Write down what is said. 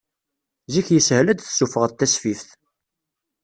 Zik yeshel ad d-tessufɣeḍ tasfift.